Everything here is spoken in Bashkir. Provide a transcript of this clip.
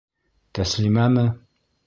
Тәслимәме?